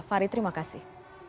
farid terima kasih